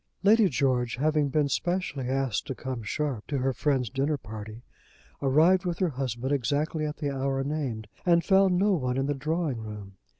Lady George, having been specially asked to come "sharp" to her friend's dinner party, arrived with her husband exactly at the hour named, and found no one in the drawing room.